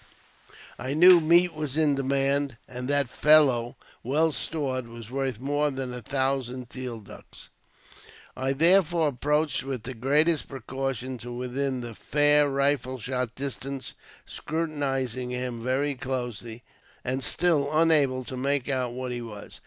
I knew meat was in demand, and JAMES P. BEGKWOUBTH. 53 that fellow, well stored, was worth more than a thousand teal ducks. I therefore approached, with the greatest precaution, to within fair rifle shot distance, scrutinizing him very closely, and still unable to make out what he was.